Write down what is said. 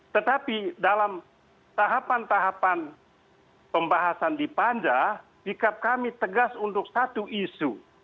tetapi dalam tahapan tahapan pembahasan di panja sikap kami tegas untuk satu isu